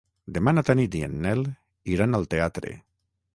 Demà na Tanit i en Nel iran al teatre.